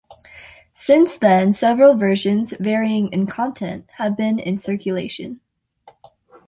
Since then several versions, varying in content, have been in circulation.